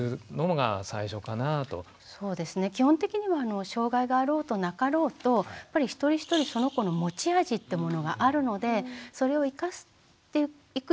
基本的には障害があろうとなかろうとやっぱり一人一人その子の持ち味ってものがあるのでそれを生かしていくことしかないんですよね。